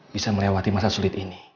bisa melewati masa sulit ini